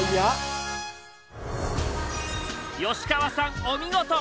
吉川さんお見事！